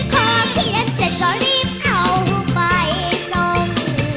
พอเขียนเสร็จก็รีบเอาไปน้อง